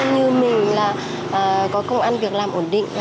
như mình là có công ăn việc làm ổn định